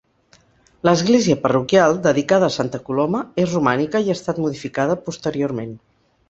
L'església parroquial, dedicada a Santa Coloma, és romànica i ha estat modificada posteriorment.